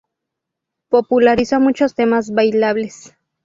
Popularizó muchos temas bailables.